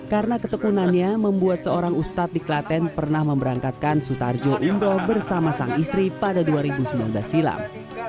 karena ketekunannya membuat seorang ustadz di klaten pernah memberangkatkan sutarjo umroh bersama sang istri pada dua ribu sembilan belas silam